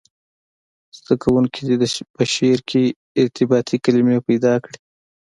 زده کوونکي دې په شعر کې ارتباطي کلمي پیدا کړي.